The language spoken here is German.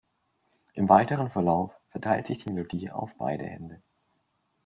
Im weiteren Verlauf verteilt sich die Melodie auf beide Hände.